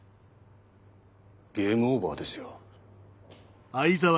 ゲームオーバーですよ。